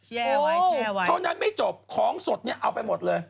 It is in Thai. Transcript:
เท่านั้นไม่จบของสดเนี่ยเอาไปหมดเลย